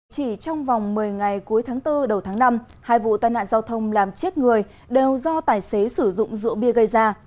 chỉ trong vòng một mươi ngày cuối tháng bốn đầu tháng năm hai vụ tai nạn giao thông làm chết người đều do tài xế sử dụng rượu bia gây ra